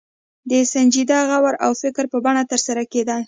د سنجیده غور او فکر په بڼه ترسره کېږي.